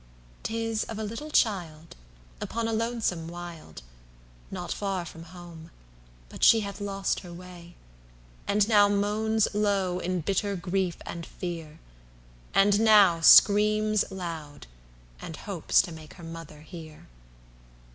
'Tis of a little child, Upon a lonesome wild, Not far from home, but she hath lost her way; And now moans low in bitter grief and fear, And now screams loud, and hopes to make her mother hear.